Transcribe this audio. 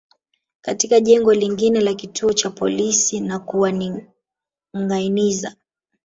katika jengo lingine la kituo cha polisi na kuwaningâiniza